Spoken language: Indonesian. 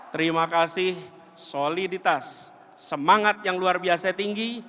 terima kasih soliditas semangat yang luar biasa tinggi